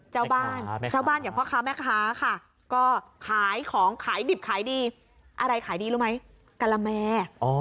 เจ้าบ้านเจ้าบ้านอย่างพ่อค้าแม่ค้าค่ะก็ขายของขายดิบขายดีอะไรขายดีรู้ไหมกะละแม่